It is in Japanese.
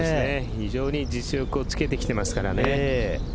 非常に実力をつけてきてますからね。